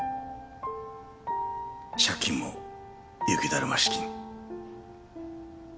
借金も雪だるま式に。